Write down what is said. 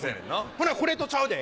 ほなこれとちゃうで。